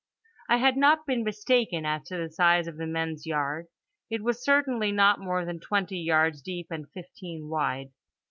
I had not been mistaken as to the size of the men's yard: it was certainly not more than twenty yards deep and fifteen wide.